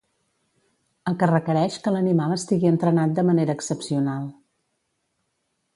El que requereix que l'animal estigui entrenat de manera excepcional.